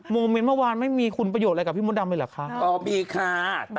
โมเมนต์เมื่อวานที่พี่หนุ่มทำให้ไม่มียังคาต